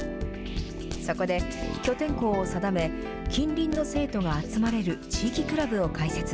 そこで、拠点校を定め、近隣の生徒が集まれる地域クラブを開設。